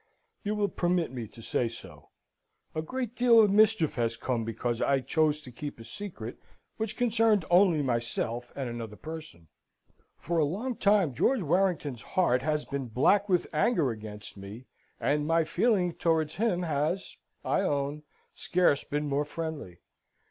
"You will permit me to say so. A great deal of mischief has come because I chose to keep a secret which concerned only myself and another person. For a long time George Warrington's heart has been black with anger against me, and my feeling towards him has, I own, scarce been more friendly.